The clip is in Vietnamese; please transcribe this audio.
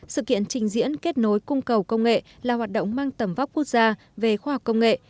sự kiện trình diễn kết nối cung cầu công nghệ là hoạt động mang tầm vóc quốc gia về khoa học công nghệ